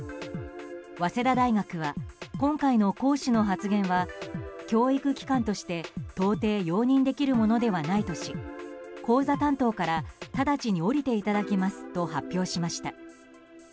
早稲田大学は今回の講師の発言は教育機関として到底容認できるものではないとし講座担当から直ちに降りていただきますと発表しました。